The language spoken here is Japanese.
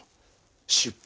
出版